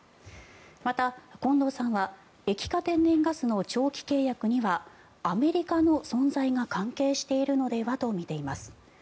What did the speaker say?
また近藤さんは液化天然ガスの長期契約にはアメリカの存在が関係しているのではと見ています。